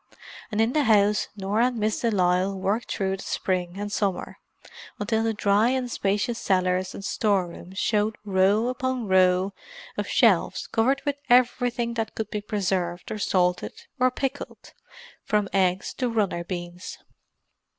And in the house Norah and Miss de Lisle worked through the spring and summer, until the dry and spacious cellars and storerooms showed row upon row of shelves covered with everything that could be preserved or salted or pickled, from eggs to runner beans.